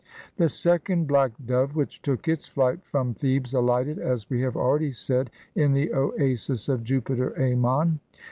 The second black dove which took its flight from Thebes alighted, as we have already said, in the Oasis of Jupiter Ammon.